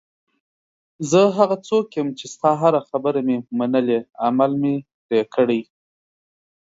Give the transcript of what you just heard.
زه هغه څوک یم چې ستا هره خبره مې منلې، عمل مې پرې کړی.